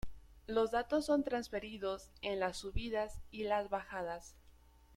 Los datos son transferidos en las subidas y las bajadas.